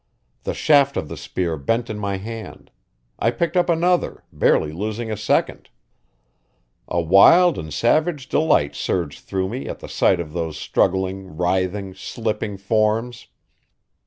The shaft of the spear bent in my hand; I picked up another, barely losing a second. A wild and savage delight surged through me at the sight of those struggling, writhing, slipping forms.